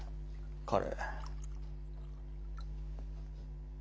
彼。